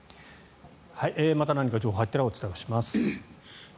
また何か情報が入ったらお伝えします。